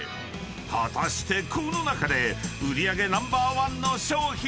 ［果たしてこの中で売り上げナンバーワンの商品は⁉］